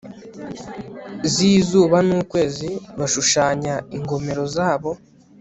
z'izuba n'ukwezi bashushanya ingomero zabo